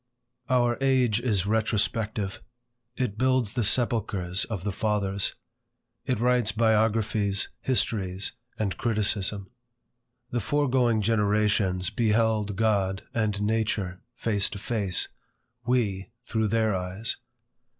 OUR age is retrospective. It builds the sepulchres of the fathers. It writes biographies, histories, and criticism. The foregoing generations beheld God and nature face to face; we, through their eyes.